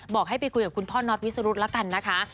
บอกให้ไปคุยกับคุณพ่อน็อตวิสรุธแล้วกันนะคะ